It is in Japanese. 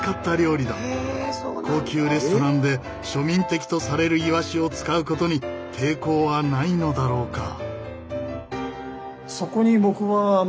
高級レストランで庶民的とされるイワシを使うことに抵抗はないのだろうか？